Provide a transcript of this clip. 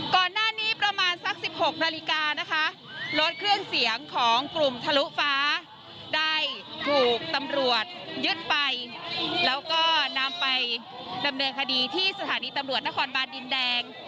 ก่อนหน้านี้ประมาณสัก๑๖นาฬิกานะคะรถเครื่องเสียงของกลุ่มทะลุฟ้าได้ถูกตำรวจยึดไปแล้วก็นำไปดำเนินคดีที่สถานีตำรวจนครบานดินแดง